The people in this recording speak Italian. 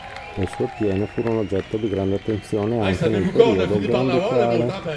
Le sue piene furono oggetto di grande attenzione anche nel periodo granducale.